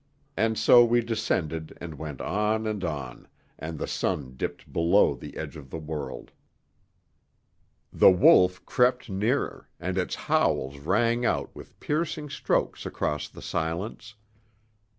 And so we descended and went on and on, and the sun dipped below the edge of the world. The wolf crept nearer, and its howls rang out with piercing strokes across the silence.